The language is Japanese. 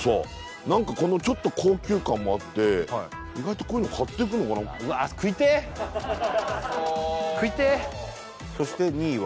何かこのちょっと高級感もあって意外とこういうの買っていくのかなうわ食いてえ食いてえそして２位は？